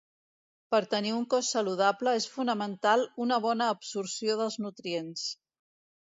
Per tenir un cos saludable és fonamental una bona absorció dels nutrients.